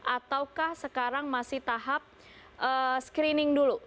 ataukah sekarang masih tahap screening dulu